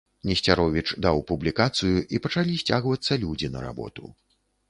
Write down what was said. Несцяровіч даў публікацыю, і пачалі сцягвацца людзі на работу.